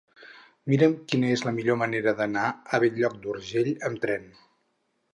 Mira'm quina és la millor manera d'anar a Bell-lloc d'Urgell amb tren.